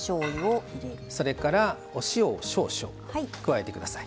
それから、お塩を少々加えてください。